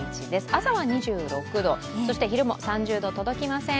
朝は２６度、そして昼も３０度届きません。